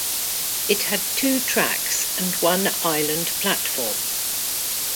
It had two tracks and one island platform.